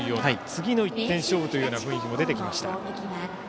次の１点勝負という雰囲気も出てきました。